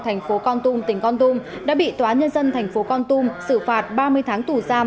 thành phố con tum tỉnh con tum đã bị tòa nhân dân thành phố con tum xử phạt ba mươi tháng tù giam